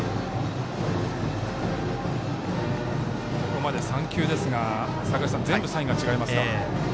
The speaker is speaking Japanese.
ここまで３球ですが全部サインが違いますか。